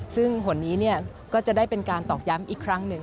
ซึ่งผลนี้ก็จะได้เป็นการตอกย้ำอีกครั้งหนึ่ง